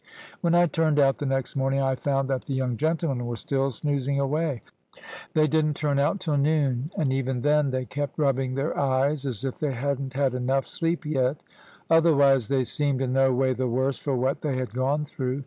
When I turned out the next morning, I found that the young gentlemen were still snoozing away. They didn't turn out till noon, and even then they kept rubbing their eyes as if they hadn't had enough sleep yet. Otherwise, they seemed in no way the worse for what they had gone through.